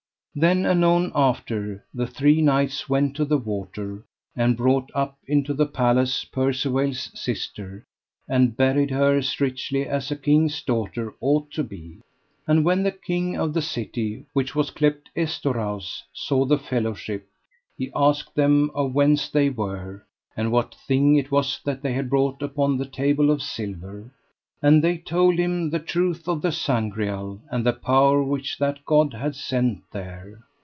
Then anon after, the three knights went to the water, and brought up into the palace Percivale's sister, and buried her as richly as a king's daughter ought to be. And when the king of the city, which was cleped Estorause, saw the fellowship, he asked them of whence they were, and what thing it was that they had brought upon the table of silver. And they told him the truth of the Sangreal, and the power which that God had sent there.